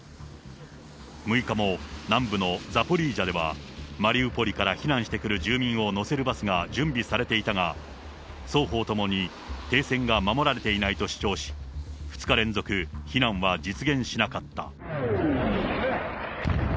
６日も南部のザポリージャでは、マリウポリから避難してくる住民を乗せるバスが準備されていたが、双方ともに停戦が守られていないと主張し、２日連続、避難は実現しなかった。